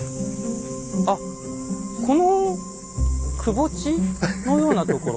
あっこのくぼ地のようなところ。